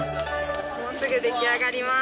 もうすぐ出来上がります。